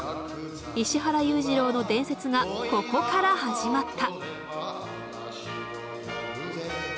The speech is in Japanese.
石原裕次郎の伝説がここから始まった！